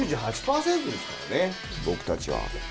９８％ですからね、僕たちは。